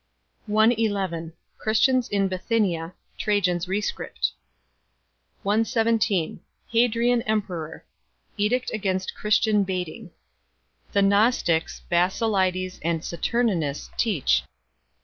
Ill Christians in Bithynia. Trajan s Rescript. 117 Hadrian emperor. Edict against Christian baiting. The Gnostics Basilides and Saturninus teach.